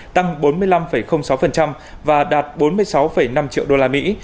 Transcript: tăng bốn mươi năm sáu và đạt bốn mươi sáu năm triệu đô la mỹ